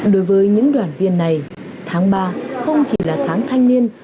đối với những đoàn viên này tháng ba không chỉ là tháng thanh niên